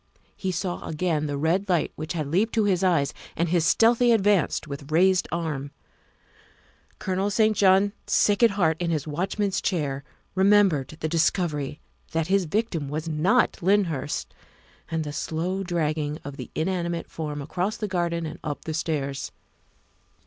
He saw again the red light which had leaped to his eyes and his stealthy advance with raised arm. Colonel St. John, sick at heart in his watchman's chair, remembered the discovery that his victim was not 272 THE WIFE OF Lyndhurst, and the slow dragging of the inanimate form across the garden and up the stairs.